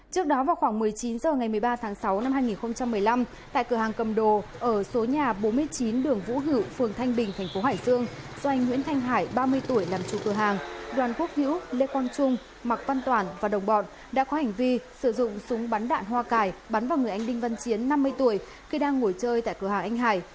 trước đó vào khoảng một mươi chín h ngày một mươi ba tháng sáu năm hai nghìn một mươi năm tại cửa hàng cầm đồ ở số nhà bốn mươi chín đường vũ hữu phường thanh bình tp hải dương do anh nguyễn thanh hải ba mươi tuổi làm chủ cửa hàng đoàn quốc hữu lê quang trung mạc văn toản và đồng bọn đã có hành vi sử dụng súng bắn đạn hoa cải bắn vào người anh đinh văn chiến năm mươi tuổi khi đang ngồi chơi tại cửa hàng anh hải